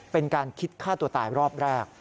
เป็นการคิดฆ่าตัวตายรอบแรก